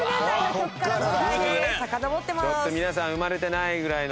ちょっと皆さん生まれてないぐらいの。